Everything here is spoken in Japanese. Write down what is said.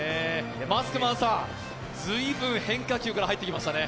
マスクマンさん、ずいぶん変化球から入ってきましたね。